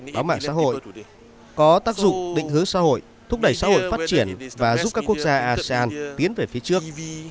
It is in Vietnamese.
có mạng xã hội có tác dụng định hướng xã hội thúc đẩy xã hội phát triển và giúp các quốc gia asean tiến về phía trước